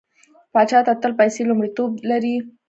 پاچا ته تل پيسه لومړيتوب لري.